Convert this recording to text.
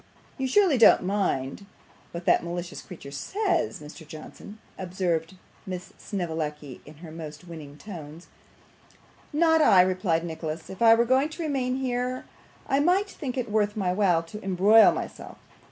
'You surely don't mind what that malicious creature says, Mr. Johnson?' observed Miss Snevellicci in her most winning tones. 'Not I,' replied Nicholas. 'If I were going to remain here, I might think it worth my while to embroil myself.